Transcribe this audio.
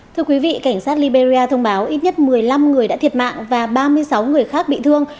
thưa quý vị cảnh sát liberia thông báo ít nhất một mươi năm người đã thiệt mạng và ba mươi sáu người khác bị thương